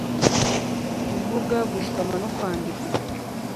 kuvuga, gusoma no kwandika.